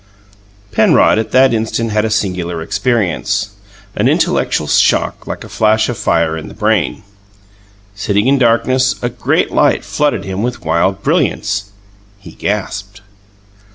Penrod at that instant had a singular experience an intellectual shock like a flash of fire in the brain. Sitting in darkness, a great light flooded him with wild brilliance. He gasped!